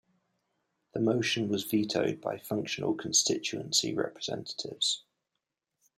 The motion was vetoed by functional constituency representatives.